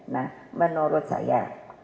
nah menurut saya